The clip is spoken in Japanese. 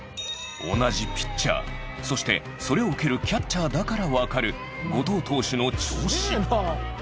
同じピッチャーそして、それを受けるキャッチャーだからわかる後藤投手の調子。